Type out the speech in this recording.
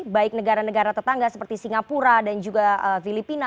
baik negara negara tetangga seperti singapura dan juga filipina